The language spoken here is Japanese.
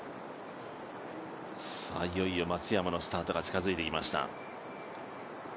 いよいよ松山のスタートが近づいてきました。